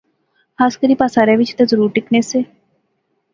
خاص کری پاسارے وچ تہ ضرور ٹکنے سے